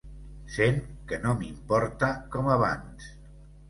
Sent que no m'importa com abans.